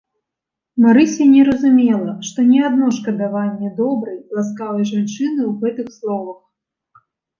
Марыся не разумела, што не адно шкадаванне добрай, ласкавай жанчыны ў гэтых словах.